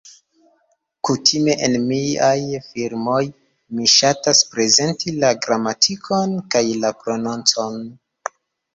Kutime en miaj filmoj, mi ŝatas prezenti la gramatikon, kaj la prononcon.